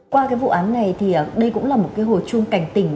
qua vụ án này thì đây cũng là một hồ chung cảnh tỉnh